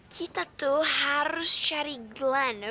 kita tuh harus cari glenn oke